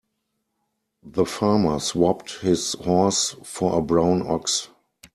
The farmer swapped his horse for a brown ox.